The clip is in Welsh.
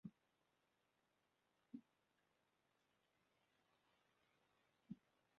Mae'r sefydliad wedi'i leoli yn Moscow, Rwsia.